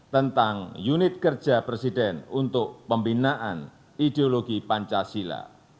tentang unit kerja presiden untuk pembinaan ideologi pancasila